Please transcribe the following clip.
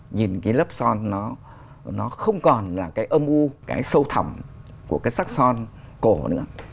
nhìn cái lớp sơn nó không còn là cái âm u cái sâu thầm của cái sắc sơn cổ nữa